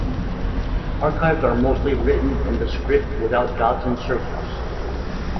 Archives are mostly written in the script without dots and circles.